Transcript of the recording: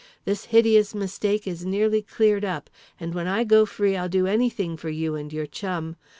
This hideous mistake is nearly cleared up, and when I go free I'll do anything for you and your chum.